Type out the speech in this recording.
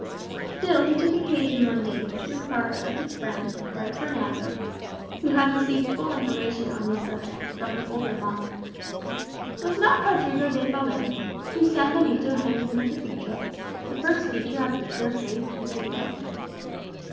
Still he took occasion one day to inquire of his friend Fray Fernando, who had received full information on these subjects from the older monks, "Was not that Rodrigo de Valer, whose sanbenito hangs in the Cathedral, the first teacher of the pure faith in Seville?"